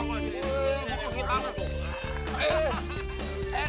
masih kaget banget